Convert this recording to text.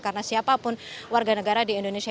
karena siapapun warga negara di indonesia